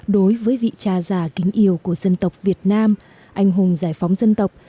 đối với vị cha già kính yêu của dân tộc việt nam anh hùng giải phóng dân tộc